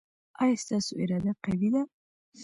ایا ستاسو اراده قوي ده؟